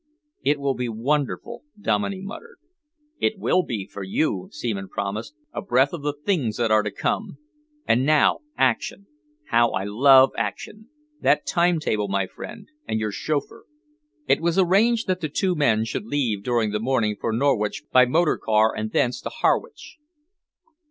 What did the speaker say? "It will be wonderful," Dominey muttered. "It will be for you," Seaman promised, "a breath of the things that are to come. And now, action. How I love action! That time table, my friend, and your chauffeur." It was arranged that the two men should leave during the morning for Norwich by motor car and thence to Harwich.